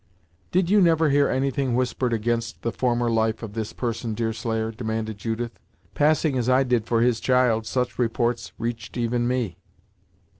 "Did you never hear anything whispered against the former life of this person, Deerslayer?" demanded Judith "Passing, as I did, for his child, such reports reached even me."